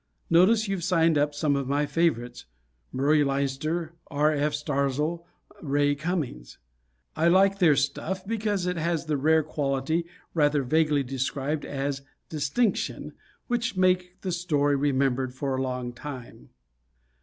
Notice you've signed up some of my favorites, Murray Leinster, R. F. Starzl, Ray Cummings. I like their stuff because it has the rare quality rather vaguely described as "distinction," which make the story remembered for a long time.